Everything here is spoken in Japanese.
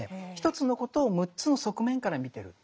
１つのことを６つの側面から見てる。